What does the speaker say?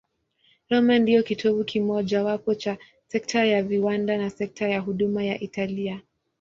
Roma ndiyo kitovu kimojawapo cha sekta ya viwanda na sekta ya huduma ya Italia.